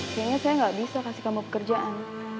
kayaknya saya nggak bisa kasih kamu pekerjaan